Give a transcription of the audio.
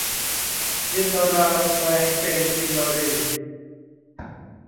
กินนราแปลงเป็นกินนรี